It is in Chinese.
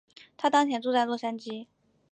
她当前住在洛杉矶。